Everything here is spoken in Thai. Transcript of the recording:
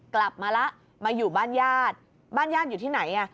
กลับมาแล้วมาอยู่บ้านญาติบ้านญาติอยู่ที่ไหนอ่ะ